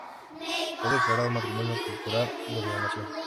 Fue declarado Patrimonio Cultural de la Nación.